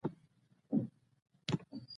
د هغه لارویانو اصلاحاتو ته دوام ورکړ